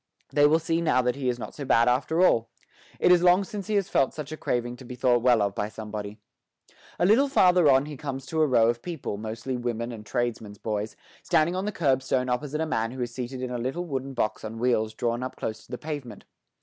They will see now that he is not so bad after all. It is long since he has felt such a craving to be thought well of by somebody. A little farther on he comes to a row of people, mostly women and tradesmen's boys, standing on the curb stone opposite a man who is seated in a little wooden box on wheels drawn up close to the pavement.